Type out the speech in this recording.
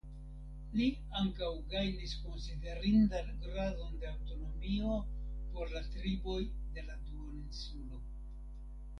Li ankaŭ gajnis konsiderindan gradon da aŭtonomio por la triboj de la duoninsulo.